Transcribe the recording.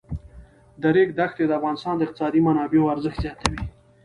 د ریګ دښتې د افغانستان د اقتصادي منابعو ارزښت زیاتوي.